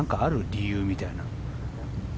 理由みたいなの。